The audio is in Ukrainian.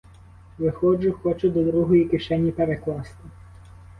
Виходжу, хочу до другої кишені перекласти.